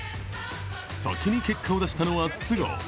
先に結果を出したのは筒香。